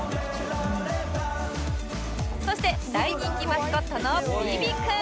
そして大人気マスコットのヴィヴィくん！